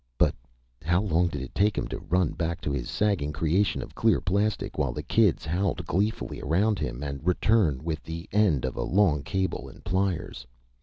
But how long did it take him to run back to his sagging creation of clear plastic, while the kids howled gleefully around him, and return with the end of a long cable, and pliers?